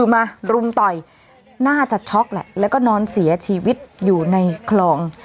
มารุมต่อยน่าจะช็อกแหละแล้วก็นอนเสียชีวิตอยู่ในคลอง